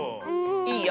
いいよ！